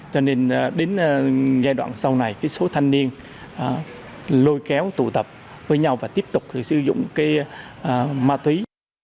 cho nên đến giai đoạn sau này số thanh niên lôi kéo tụ tập với nhau và tiếp tục sử dụng cái ma túy